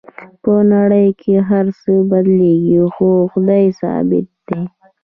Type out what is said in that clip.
په نړۍ کې هر څه بدلیږي خو خدای ثابت دی